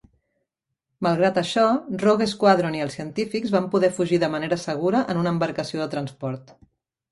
Malgrat això, Rogue Squadron i els científics van poder fugir de manera segura en una embarcació de transport.